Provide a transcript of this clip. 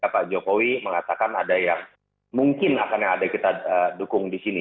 pak jokowi mengatakan ada yang mungkin akan yang ada kita dukung di sini